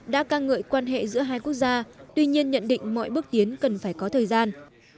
đã ca ngợi quan hệ giữa hai quốc gia tuy nhiên nhận định mọi bước tiến cần phải có thời gian